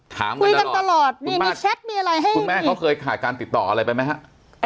คุยกันตลอดนี่มีแชทมีอะไรให้คุณแม่เขาเคยขาดการติดต่ออะไรไปไหมฮะ